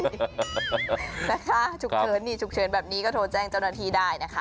นะคะถึงเชิญแบบนี้ก็โถแจ้งเจ้าหน้าที่ได้นะคะ